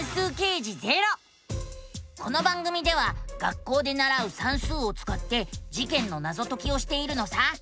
この番組では学校でならう「算数」をつかって事件のナゾ解きをしているのさ。